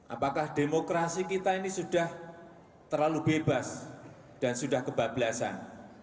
apakah demokrasi kita ini sudah terlalu bebas dan sudah kebablasan